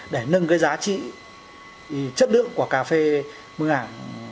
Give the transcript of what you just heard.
để nâng cái giá trị chất lượng của cà phê mường ảng